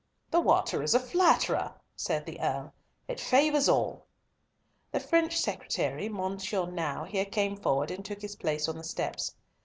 "The water is a flatterer!" said the Earl. "It favours all." The French secretary, Monsieur Nau, here came forward and took his place on the steps.